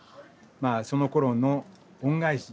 まあそのころの恩返し。